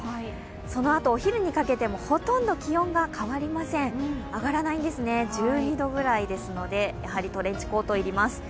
そのあとお昼にかけてもほとんど気温が変わりません上がらないんですね、１２度ぐらいですのでやはりトレンチコートいります。